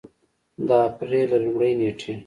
د اپرېل له لومړۍ نېټې